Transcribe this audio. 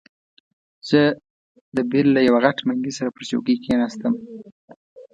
زه د بیر له یوه غټ منګي سره پر چوکۍ کښېناستم.